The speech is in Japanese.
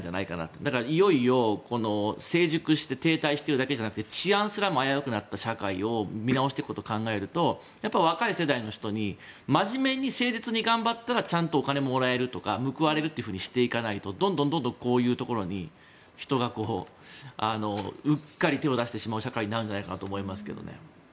だから、いよいよ成熟して停滞しているだけじゃなくて治安すらも危うくなった社会を見直していくことを考えるとやっぱり若い世代の人に真面目に誠実に頑張ったらちゃんとお金がもらえるとか報われるというふうにしていかないとどんどんこういうところに人がうっかり手を出してしまう社会になるんじゃないかと思いますけどね。